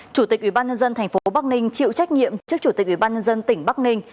chủ tịch ủy ban nhân dân thành phố bắc ninh chịu trách nhiệm trước chủ tịch ủy ban nhân dân tỉnh bắc ninh